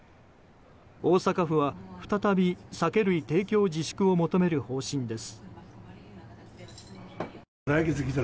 大阪府は再び、酒類提供自粛を求める方針です。